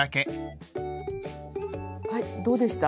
はいどうでした？